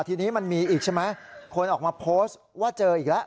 ทีนี้มันมีอีกใช่ไหมคนออกมาโพสต์ว่าเจออีกแล้ว